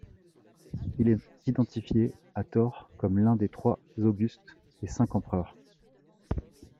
Il est identifié, à tort, comme l'un des Trois Augustes et Cinq Empereurs.